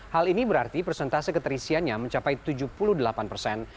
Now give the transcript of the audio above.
hal ini berarti persentase keterisiannya mencapai tujuh puluh delapan persen